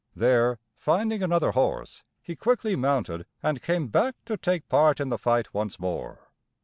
There, finding another horse, he quickly mounted, and came back to take part in the fight once more.